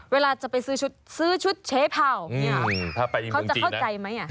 เวลาจะไปซื้อชุดเชพาเขาจะเข้าใจไหม